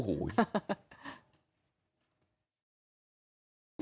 ฮะ